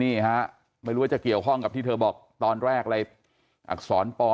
นี่ฮะไม่รู้ว่าจะเกี่ยวข้องกับที่เธอบอกตอนแรกอะไรอักษรปอ